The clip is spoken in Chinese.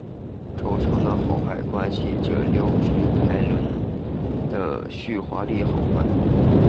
轴承的好坏关系着溜直排轮的续滑力好坏。